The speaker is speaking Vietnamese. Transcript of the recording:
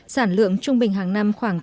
sản lượng trung bình hàng năm khoảng